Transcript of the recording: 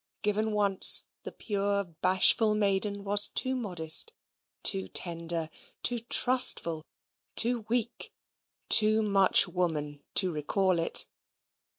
Given once, the pure bashful maiden was too modest, too tender, too trustful, too weak, too much woman to recall it.